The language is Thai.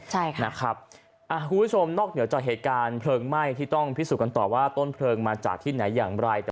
คุณผู้ชมนอกเหนือจากเหตุการณ์เพลิงไหม้ที่ต้องพิสูจน์กันต่อว่าต้นเพลิงมาจากที่ไหนอย่างไร